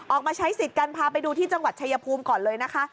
ออกมาใช้สิทธิ์กันพาไปดูที่จังหวัดชายภูมิก่อนเลยนะคะ